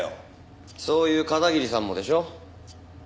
そういう片桐さんもでしょ。